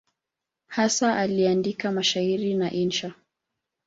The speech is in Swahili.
Hasa aliandika mashairi na insha.